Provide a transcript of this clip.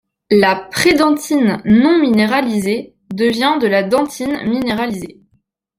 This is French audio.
La prédentine non-minéralisée devient de la dentine minéralisée.